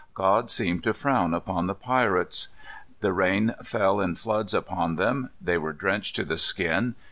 God seemed to frown upon the pirates. The rain fell in floods upon them. They were drenched to the skin.